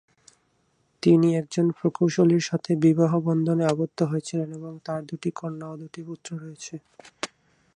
তিনি একজন প্রকৌশলীর সাথে বিবাহবন্ধনে আবদ্ধ হয়েছিলেন এবং তার দুটি কন্যা ও দুটি পুত্র রয়েছে।